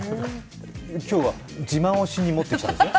今日は自慢をしに持ってきたんですね？